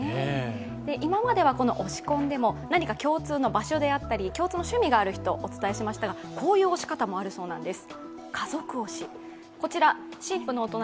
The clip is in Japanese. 今までは推し婚でも何か共通の場所であったり共通の趣味がある人をお伝えしましたが、こういう推しもあるそうです。